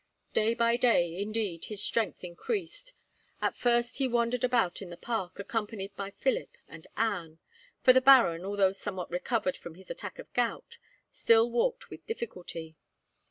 Day by day, indeed, his strength increased. At first he wandered about in the park, accompanied by Philip and Anne, for the baron, although somewhat recovered from his attack of gout, still walked with difficulty.